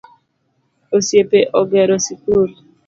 Osiepe ogero sikul